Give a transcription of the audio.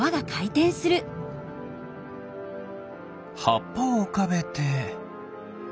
はっぱをうかべて。